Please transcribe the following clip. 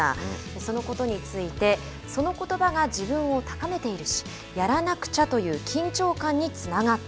そのことについてそのことばが自分を高めているしやらなくちゃという緊張感につながった。